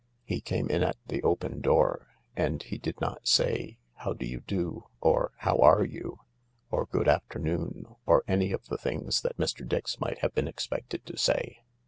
He came in at the open door, and he did not say, " How do you do ?" or " How are you ?" or " Good afternoon," or any of tlje things that Mr. Dix might have been expected to say.